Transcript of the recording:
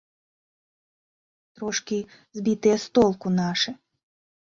Трошкі збітыя з толку нашы.